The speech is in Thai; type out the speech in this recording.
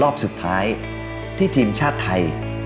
รอบสุดท้ายที่ทีมชาติไทย